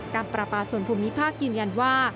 ประปาส่วนภูมิภาคยืนยันว่า